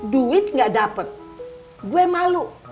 duit gak dapet gua malu